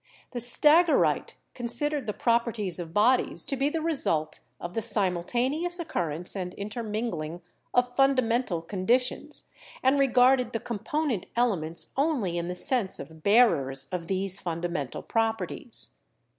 The Stagirite considered the properties of bodies to be the result of the simultaneous occurrence and intermingling of fundamental conditions, and regarded ■Aristotle and His Students. the component elements only in the sense of bearers of these fundamental properties.